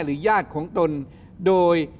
หรือญาติของตนโดย